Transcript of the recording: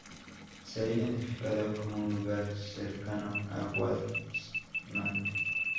Se ha identificado como un lugar cercano a Wadi-l-Samt.